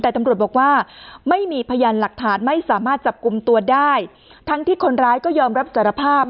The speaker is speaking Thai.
แต่ตำรวจบอกว่าไม่มีพยานหลักฐานไม่สามารถจับกลุ่มตัวได้ทั้งที่คนร้ายก็ยอมรับสารภาพ